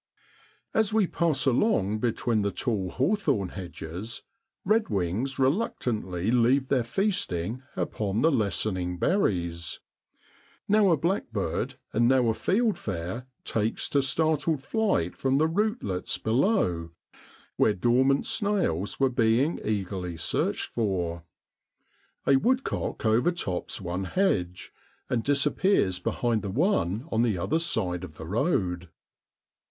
As we pass along between the tall hawthorn hedges, redwings reluctantly leave their feasting upon the lessening berries; now a blackbird, and now a field fare takes to startled flight from the rootlets below, where dormant snails were being eagerly searched for. A woodcock overtops one hedge, and disappears behind the one on the other side of the road.